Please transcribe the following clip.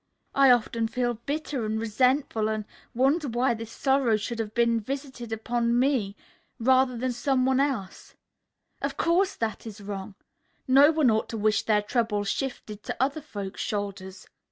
I often feel bitter and resentful and wonder why this sorrow should have been visited upon me rather than on some one else. Of course, that is wrong. No one ought to wish their troubles shifted to other folks' shoulders.